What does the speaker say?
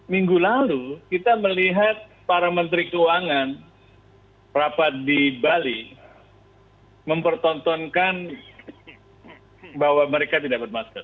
minggu lalu kita melihat para menteri keuangan rapat di bali mempertontonkan bahwa mereka tidak bermasker